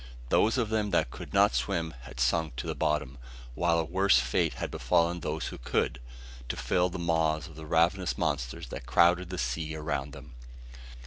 Those of them that could not swim had sunk to the bottom, while a worse fate had befallen those that could, to fill the maws of the ravenous monsters that crowded the sea around them!